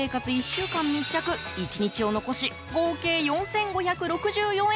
１週間密着１日を残し、合計４５６４円に。